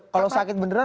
kalau sakit beneran